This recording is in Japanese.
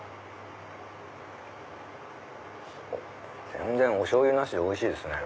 全然おしょうゆなしでおいしいですね。